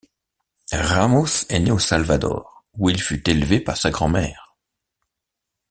Ramos est né au Salvador, ou il fut élevé par sa grand mère.